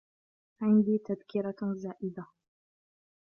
عندي تذكرة زائدة.